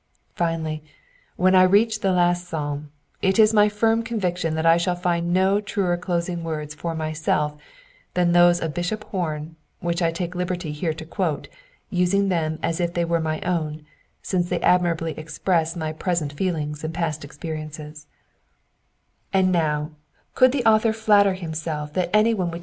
Finally, when I reach the last psalm, it is my firm conviction that I shall find no truer closing words for myself than those of Bishop Home, which I take liberty here to quote, using them as if they were my own, since they admirably express my present feelings and past experiences :—" And now, could the author flatter himself that anyone would Digitized by VjOOQIC PREFACE.